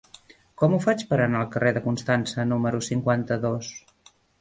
Com ho faig per anar al carrer de Constança número cinquanta-dos?